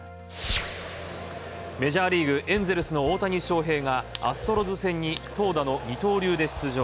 メジャーリーグ、エンゼルスの大谷翔平がアストロズ戦に投打の二刀流で出場。